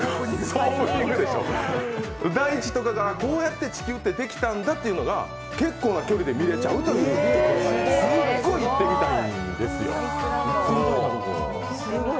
大地とかが、こうやって地球ってできたんだというのが結構な距離で見れちゃうというすごい行ってみたいんですよ。